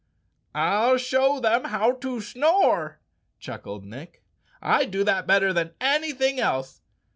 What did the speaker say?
"I'll show them how to snore," chuckled Nick. "I do that better than anything else.